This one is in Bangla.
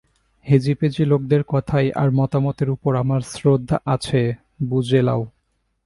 হেঁজিপেঁজি লোকদের কথায় আর মতামতের উপর আমার শ্রদ্ধা আঁচে বুঝে লও।